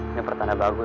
ini pertanda bagus ya